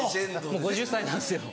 もう５０歳なんですよ。